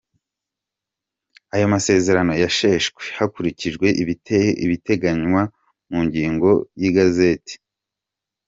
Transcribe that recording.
Ayo masezerano yasheshwe hakurikijwe ibiteganywa mu ngingo ziyagize”.